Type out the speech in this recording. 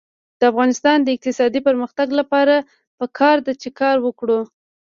د افغانستان د اقتصادي پرمختګ لپاره پکار ده چې کار وکړو.